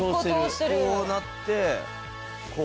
こうなってこう。